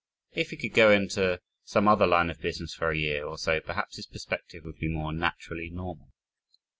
If he could go into some other line of business for a year or so perhaps his perspective would be more naturally normal.